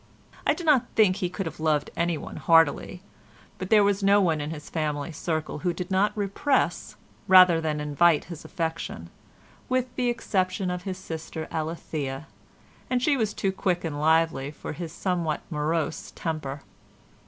I do not think he could have loved anyone heartily, but there was no one in his family circle who did not repress, rather than invite his affection, with the exception of his sister Alethea, and she was too quick and lively for his somewhat morose temper.